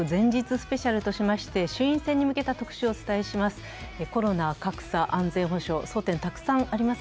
スペシャルとしまして衆院選に向けた特集をお伝えします。